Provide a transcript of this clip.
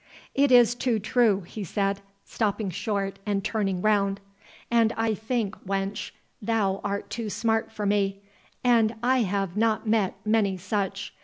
"It is too true," he said, stopping short and turning round; "and I think, wench, thou art too smart for me, and I have not met many such.